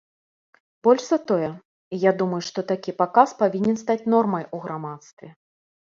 Больш за тое, я думаю, што такі паказ павінен стаць нормай у грамадстве.